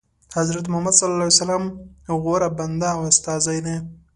حضرت محمد صلی الله علیه وسلم غوره بنده او استازی دی.